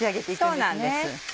そうなんです。